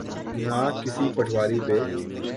نہ کسی پٹواری پہ۔